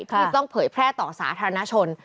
ที่ต้องเผยแพร่ต่อสาธารณชน